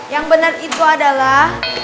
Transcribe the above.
yang benar itu adalah